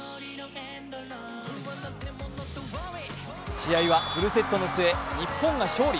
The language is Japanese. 試合はフルセットの末日本が勝利。